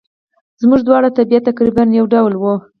زموږ دواړو طبیعت تقریباً یو ډول وو.